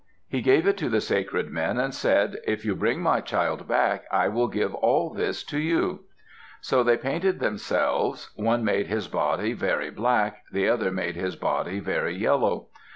He gave it to the sacred men, and said, "If you bring my child back, I will give all this to you." So they painted themselves; one made his body very black, the other made his body very yellow.